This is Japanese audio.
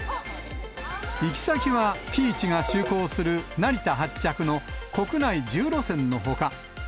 行き先はＰｅａｃｈが就航する成田発着の国内１０路線のほか。